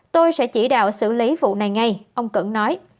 tôi sẽ chỉ đạo xử lý vụ này ngay ông cẩn nói